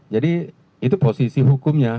jadi itu posisi hukumnya